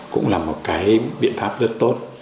cũng là một cái biện pháp rất tốt